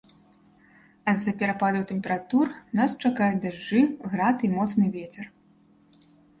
А з-за перападаў тэмператур нас чакаюць дажджы, град і моцны вецер.